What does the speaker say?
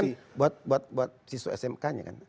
insentif kan buat siswa smk nya kan